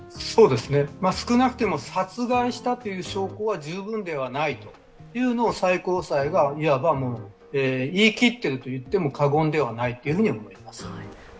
少なくとも殺害したという証拠は十分ではないというのを最高裁がいわば言い切っていると言っても過言ではないと思います。